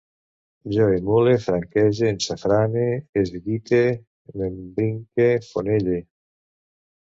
Jo emule, franquege, ensafrane, esguite, m'embrinque, fonelle